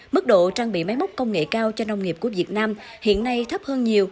mức độ trang bị máy móc công nghệ cao cho nông nghiệp của việt nam hiện nay thấp hơn nhiều